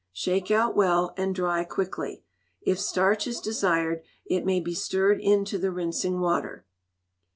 Shake out well, and dry quickly. If starch is desired, it may be stirred into the rinsing water.